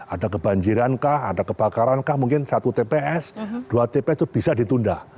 ada kebanjiran kah ada kebakaran kah mungkin satu tps dua tps itu bisa ditunda